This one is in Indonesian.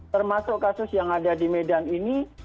termasuk kasus yang ada di medan ini